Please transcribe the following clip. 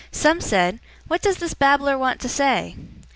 Some said, "What does this babbler want to say?"